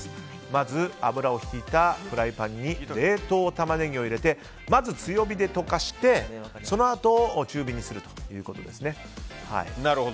まず、油をひいたフライパンに冷凍タマネギを入れてまず強火でとかしてそのあと中火にするということですね。